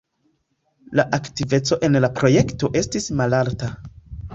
La aktiveco en la projekto estis malalta.